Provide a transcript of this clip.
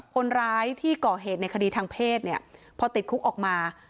คนร้ายที่ก่อเหตุในคดีทางเพศเนี่ยพอติดคุกออกมา